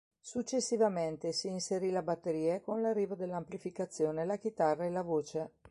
Successivamente si inserì la batteria e con l'arrivo dell'amplificazione la chitarra e la voce.